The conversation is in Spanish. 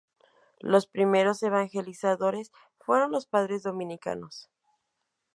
Los primeros evangelizadores fueron los padres dominicanos.